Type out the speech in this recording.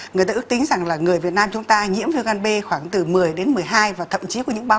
người ta ước tính rằng là người việt nam chúng ta nhiễm viêm gan b khoảng từ một mươi đến một mươi hai